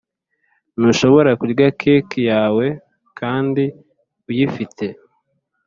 ntushobora kurya cake yawe kandi uyifite.